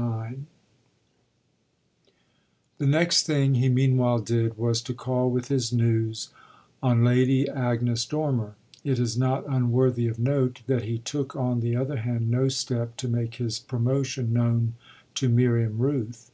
XXXIX The next thing he meanwhile did was to call with his news on Lady Agnes Dormer; it is not unworthy of note that he took on the other hand no step to make his promotion known to Miriam Rooth.